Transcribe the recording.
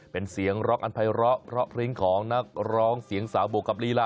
เป็นเสียงร็อกอันภัยร้อเพราะพริ้งของนักร้องเสียงสาวบวกกับลีลา